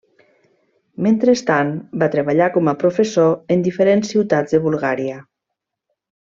Mentrestant, va treballar com a professor en diferents ciutats de Bulgària.